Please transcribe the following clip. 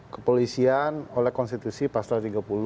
kepolisian oleh konstitusi pasal tiga puluh